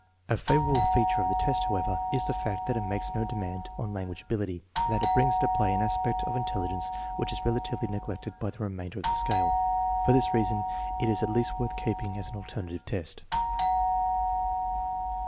A favorable feature of the test, however, is the fact that it makes no demand on lan guage ability and that it brings into play an aspect of in telligence which is relatively neglected by the remainder of the scale. For this reason it is at least worth keeping as an alternative test.